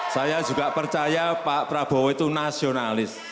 saya juga percaya pak prabowo itu nasionalis